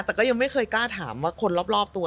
แต่ก็ยังไม่เคยกล้าถามว่าคนรอบตัว